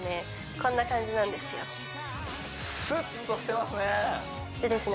こんな感じなんですよでですね